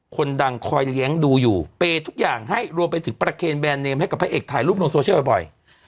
คนดังคอยเลี้ยงดูอยู่เปย์ทุกอย่างให้รวมไปถึงประเคนแบรนดเนมให้กับพระเอกถ่ายรูปลงโซเชียลบ่อย